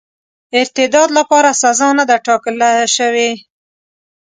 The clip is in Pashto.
ارتداد لپاره سزا نه ده ټاکله سوې.